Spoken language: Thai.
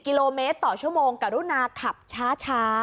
กิโลเมตรต่อชั่วโมงกรุณาขับช้า